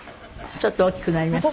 ちょっと大きくなりましたね。